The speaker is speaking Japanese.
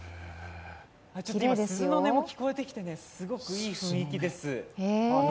今、鈴の音も聴こえてきて、すごくいい雰囲気です。